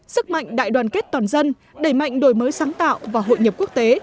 sức mạnh đại đoàn kết toàn dân đẩy mạnh đổi mới sáng tạo và hội nhập quốc tế